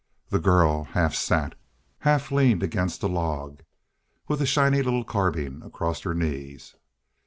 The girl half sat, half leaned against a log, with the shiny little carbine across her knees.